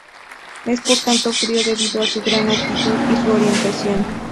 Es por tanto frío, debido a su gran altitud y su orientación.